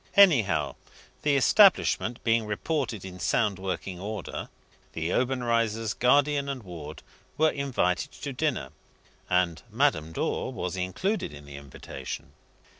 Anyhow, the establishment being reported in sound working order, the Obenreizers, Guardian and Ward, were asked to dinner, and Madame Dor was included in the invitation.